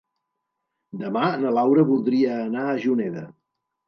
Demà na Laura voldria anar a Juneda.